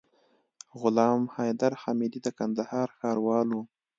غلام حيدر حميدي د کندهار ښاروال وو.